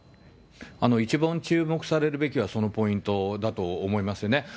一番注目されるべきはそのポイントだと思いますよね。